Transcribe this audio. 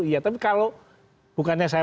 iya tapi kalau bukannya saya